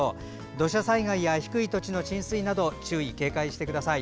土砂災害や低い土地の浸水などに注意、警戒してください。